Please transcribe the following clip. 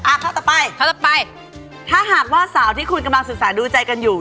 ข้อต่อไปข้อต่อไปถ้าหากว่าสาวที่คุณกำลังศึกษาดูใจกันอยู่